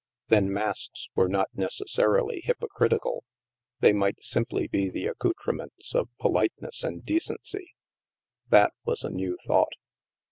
Then masks were not necessarily hypocritical! They might simply be the accoutrements of polite ness and decency. That was a new thought.